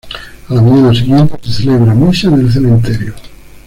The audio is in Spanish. A la mañana siguiente se celebra misa en el cementerio.